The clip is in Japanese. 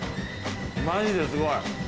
マジですごい。